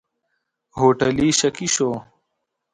هوټلي شکي شو.